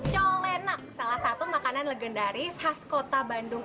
colenak salah satu makanan legendaris khas kota bandung